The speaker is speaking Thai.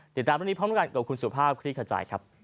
เดี๋ยวตามตอนนี้พร้อมกันกับคุณสุภาพคุณที่เข้าใจครับ